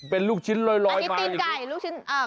ขนมจีนน้ำยาเป็นลูกชิ้นลอยมา